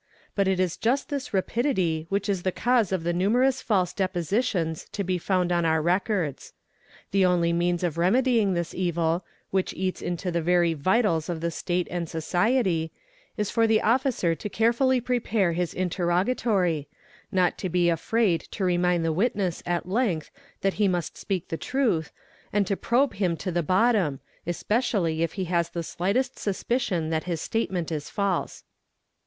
But it is just this rapidity which is the cause of the numerous false depositions to be found on our records. The only means of remedying this evil, which eats into the very vitals of the State and society, is for the Officer to carefully prepare his interrogatory, not to be afraid to remind the witness at length that he must speak the truth, and to probe him to the bottom, especially if he has the slightest suspicion that his statement is false.